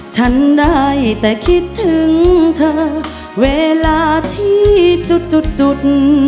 ฉันได้แต่คิดถึงเธอเวลาที่จุด